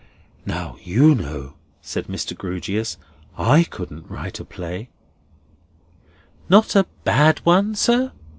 "Now, you know," said Mr. Grewgious, "I couldn't write a play." "Not a bad one, sir?"